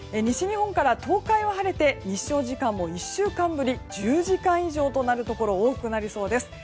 西日本から東海は晴れて日照時間も１週間ぶり１０時間以上となるところが多くなりそうです。